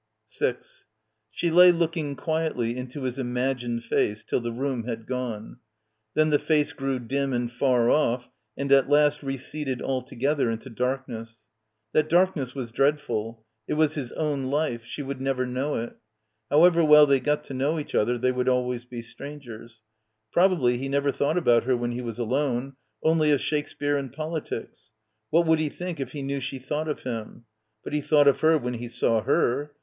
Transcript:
She lay looking quietly into his imagined face till the room had gone. Then the face grew dim and far off and at last receded altogether into darkness. That darkness was dreadful. It was his own life. She would never know it. How ever well they got to know each other they would always be strangers. Probably he never thought about her when he was alone. Only of Shake speare and politics. What would he think if he knew she thought of him? But he thought of her when he saw her.